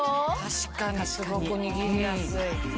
確かにすごく握りやすい。